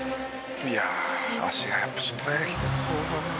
「いやあ足がやっぱちょっとねきつそうだね」